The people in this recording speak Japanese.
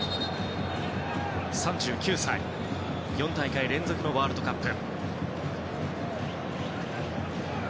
３９歳４大会連続のワールドカップ。